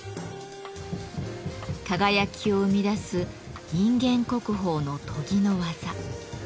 輝きを生み出す人間国宝の研ぎの技。